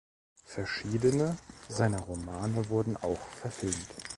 Verschiedene seiner Romane wurden auch verfilmt.